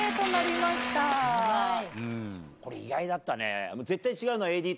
これ意外だったね。